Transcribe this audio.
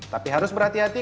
tapi harus berhati hati